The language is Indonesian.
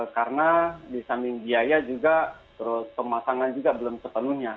karena di samping biaya juga terus pemasangan juga belum sepenuhnya